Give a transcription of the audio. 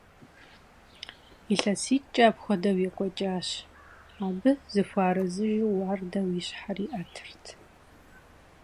ИлъэситӀкӀэ апхуэдэу екӀуэкӀащ, абы зыхуэарэзыжу уардэу и щхьэр иӀэтырт.